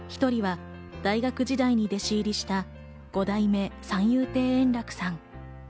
１人は大学時代に弟子入りした五代目・三遊亭圓楽さん。